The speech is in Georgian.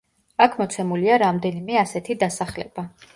აქ მოცემულია რამდენიმე ასეთი დასახლება.